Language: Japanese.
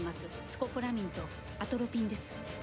スコポラミンと、アトロピンです。